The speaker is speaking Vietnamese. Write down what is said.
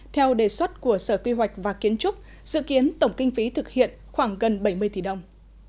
theo đề xuất của sở quy hoạch và kiến trúc dự kiến tổng kinh phí thực hiện khoảng gần bảy mươi tỷ đồng